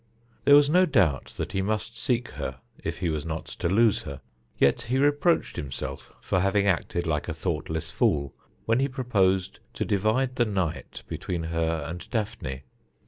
There was no doubt that he must seek her if he was not to lose her, yet he reproached himself for having acted like a thoughtless fool when he proposed to divide the night between her and Daphne.